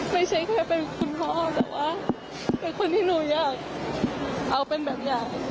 ไม่ใช่แค่เป็นคุณพ่อแต่ว่าเป็นคนที่หนูอยากเอาเป็นแบบอย่าง